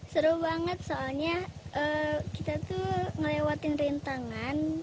seru banget soalnya kita tuh ngelewatin rintangan